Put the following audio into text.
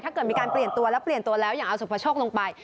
ถ้าเกิดมีการเปลี่ยนตัวแล้วอย่างเอาสุขภาชกลงไป